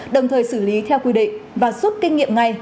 đồng thời xử lý theo quy định và rút kinh nghiệm ngay